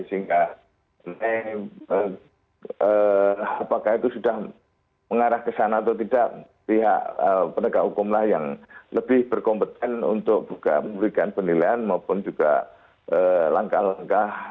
sehingga apakah itu sudah mengarah ke sana atau tidak pihak penegak hukum lah yang lebih berkompeten untuk memberikan penilaian maupun juga langkah langkah